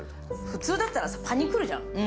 普通だったらパニクルじゃない。